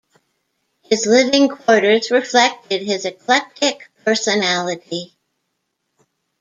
His living quarters reflected his eclectic personality.